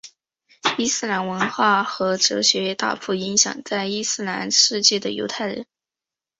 伊斯兰文化和哲学也大幅影响在伊斯兰世界的犹太人。